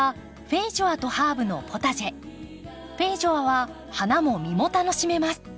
フェイジョアは花も実も楽しめます。